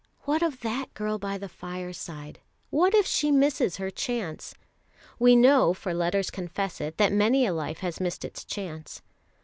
What of that girl by the fireside? What if she misses her chance? We know, for letters confess it, that many a life has missed its chance.